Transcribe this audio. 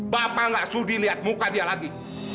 bapak gak studi lihat muka dia lagi